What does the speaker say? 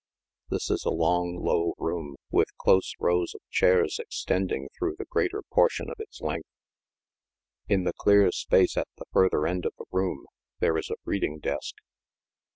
This is a long, low room, with close rows of chairs extending through the greater portion of its length. In the clear space at the further end of the room there is a reading desk.